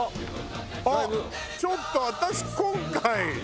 ちょっと私今回。